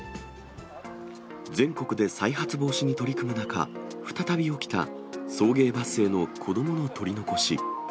全国で再発防止に取り組む中、再び起きた送迎バスへの子どもの取り残し。